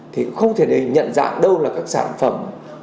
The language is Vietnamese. thì cũng không thể để nhận ra đâu là các sản phẩm